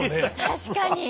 確かに。